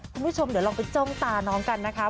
คุณผู้ชมเดี๋ยวลองไปจ้องตาน้องกันนะคะ